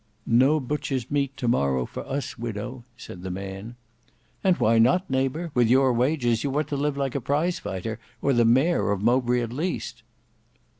"No butcher's meat to morrow for us, widow," said the man. "And why not, neighbour? With your wages, you ought to live like a prize fighter, or the mayor of Mowbray at least."